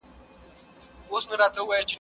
نور د ټولو كيسې ټوكي مسخرې وې.